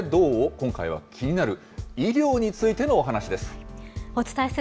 今回は気になる医療についてのお話です。